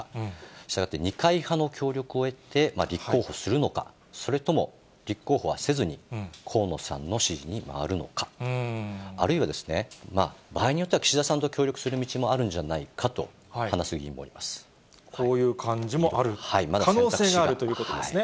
したがって二階派の協力を得て、立候補するのか、それとも立候補はせずに、河野さんの支持に回るのか、あるいは、場合によっては岸田さんと協力する道もあるんじゃないかと話す議こういう感じもある、可能性があるということですね。